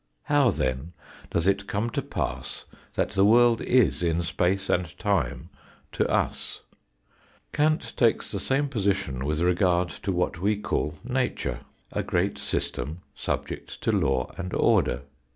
How then does it come to pass that the world is in space and time to us ? Kant takes the same position with regard to what we call nature a great system subject to law and order.